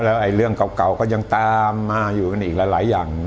แล้วเรื่องเก่าก็ยังตามมาอยู่กันอีกหลายอย่าง